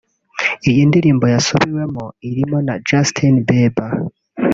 Iyi ndirimbo yasubiwemo irimo na Justin Bieber